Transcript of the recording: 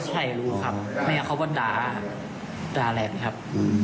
ใช่รู้ครับแม่เขาก็ด่าแรงครับ